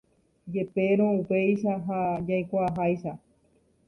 Jepérõ upéicha ha jaikuaaháicha.